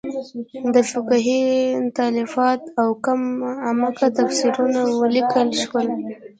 د فقهې تالیفات او کم عمقه تفسیرونه ولیکل شول.